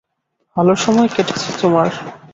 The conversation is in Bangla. ভালো সময় কেটেছে তোমার।